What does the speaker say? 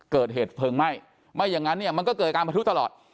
เกิดเหตุเพลิงไหม้ไม่อย่างนั้นเนี่ยมันก็เกิดการประทุตลอด